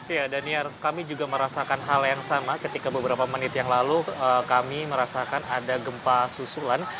ya daniar kami juga merasakan hal yang sama ketika beberapa menit yang lalu kami merasakan ada gempa susulan